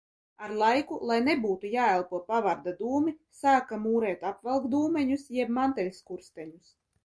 Ar laiku, lai nebūtu jāelpo pavardu dūmi, sāka mūrēt apvalkdūmeņus jeb manteļskursteņus.